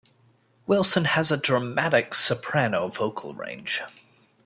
Wilson has a dramatic soprano vocal range.